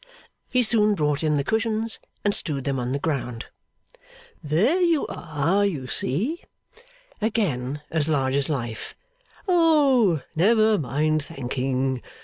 He soon brought in the cushions, and strewed them on the ground. 'There you are, you see. Again as large as life. Oh, never mind thanking.